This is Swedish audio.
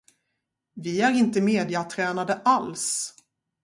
Vi är inte medietränade alls.